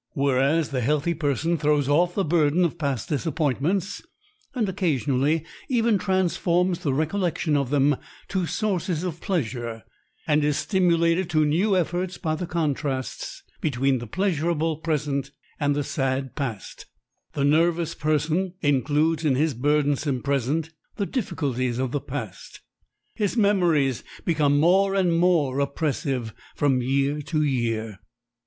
Whereas the healthy person throws off the burden of past disappointments, and occasionally even transforms the recollection of them to sources of pleasure, and is stimulated to new efforts by the contrasts between the pleasureable present and the sad past, the nervous person includes in his burdensome present the difficulties of the past. His memories become more and more oppressive from year to year.